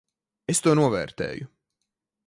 Es to novērtēju.